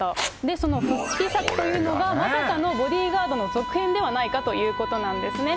その復帰先というのが、まさかのボディガードの続編ではないかということなんですね。